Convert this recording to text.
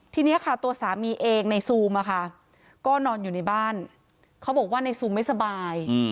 ทีนี้ค่ะตัวสามีเองในซูมก็นอนอยู่ในบ้านเขาบอกว่าในซูมไม่สบาย